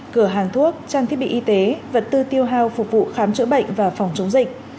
cửa hàng thuốc trang thiết bị y tế vật tư tiêu hao phục vụ khám chữa bệnh và phòng chống dịch